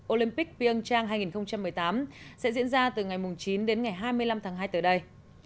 olympic pian chang hai nghìn một mươi tám sẽ diễn ra từ ngày chín đến ngày hai mươi năm tháng hai tới đây